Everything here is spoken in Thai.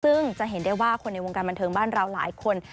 ซึ่งจะเห็นได้ว่าคนในวงการบันเทิงบ้านเราหลายคน